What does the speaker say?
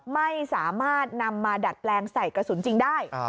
ไม่สามารถนำมาดัดแปลงใส่กระสุนจริงได้